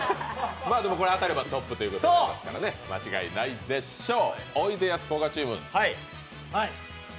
これ当たればトップになりますから間違いないでしょう。